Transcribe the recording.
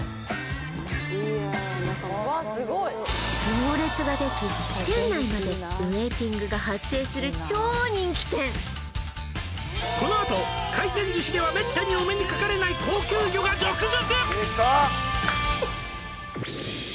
行列ができ店内までウェイティングが発生する超人気店「このあと回転寿司ではめったにお目にかかれない」「高級魚が続々！」